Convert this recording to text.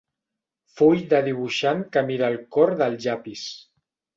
Full de dibuixant que mira el cor del llapis.